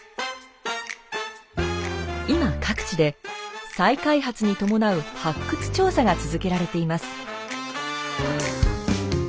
今各地で再開発に伴う発掘調査が続けられています。